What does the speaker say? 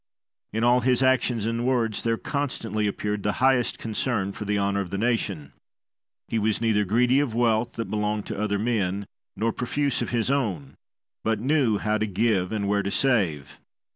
In all his actions and words there constantly appeared the highest concern for the honour of the nation. He was neither greedy of wealth that belonged to other men nor profuse of his own, but knew how to give and where to save.